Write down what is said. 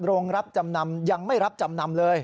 โรงรับจำนำยังไม่รับจำนำเลย